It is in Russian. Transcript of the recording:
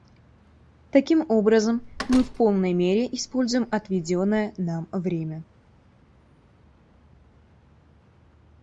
Таким образом, мы в полной мере используем отведенное нам время.